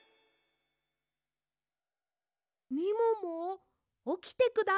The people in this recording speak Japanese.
みももおきてください。